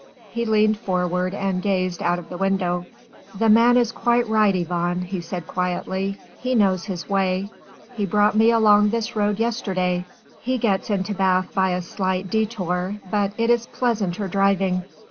He leaned forward and gazed out of the window. "The man is quite right, Yvonne," he said quietly, "he knows his way. He brought me along this road yesterday. He gets into Bath by a slight détour but it is pleasanter driving."